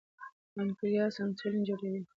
پانکریاس انسولین جوړوي.